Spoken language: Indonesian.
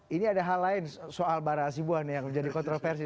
ini ada hal lain soal barah asibuan yang menjadi kontroversi